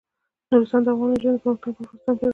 نورستان د افغان نجونو د پرمختګ لپاره فرصتونه برابروي.